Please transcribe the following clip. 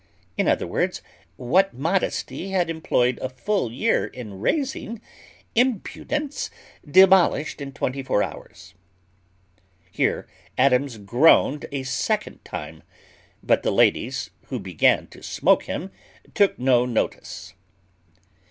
In other words, what modesty had employed a full year in raising, impudence demolished in twenty four hours. Here Adams groaned a second time; but the ladies, who began to smoke him, took no notice.